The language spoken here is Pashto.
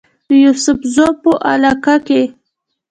د يوسفزو پۀ علاقه کې